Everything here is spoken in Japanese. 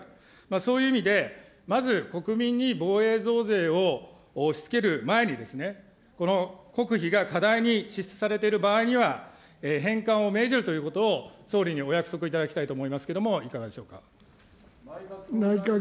そういう意味でまず国民に防衛増税を押しつける前に、この国費が過大に支出されている場合には、返還を命じるということを総理にお約束をいただきたいと思いますけれども、いかがでしょうか。